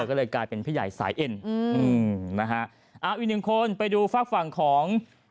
ก็เลยกลายเป็นพี่ใหญ่สายเอ็นอายุหนึ่งคนก็ไปดูฝากฝั่งของ